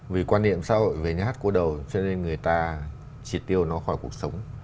vì quan niệm xã hội về nhà hát cô đầu cho nên người ta triệt tiêu nó khỏi cuộc sống